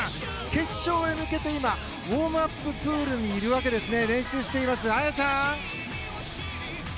決勝へ向けて今、ウォームアッププールにいるんですね。